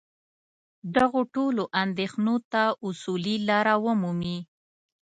دغو ټولو اندېښنو ته اصولي لاره ومومي.